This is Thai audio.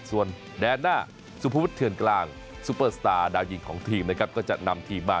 ส่วนแดนหน้าสุภวุฒิเถื่อนกลางซูเปอร์สตาร์ดาวยิงของทีมนะครับก็จะนำทีมมา